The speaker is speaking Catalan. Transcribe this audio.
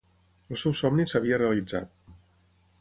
El seu somni s'havia realitzat.